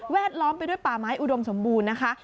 ดล้อมไปด้วยป่าไม้อุดมสมบูรณ์นะคะ